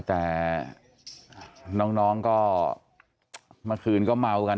แต่น้องก็เมื่อคืนก็เมากัน